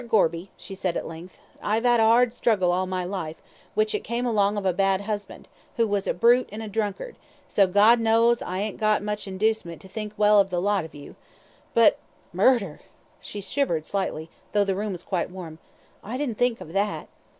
Gorby," she said at length, "I 'ave 'ad a 'ard struggle all my life, which it came along of a bad husband, who was a brute and a drunkard, so, God knows, I ain't got much inducement to think well of the lot of you, but murder," she shivered slightly, though the room was quite warm, "I didn't think of that."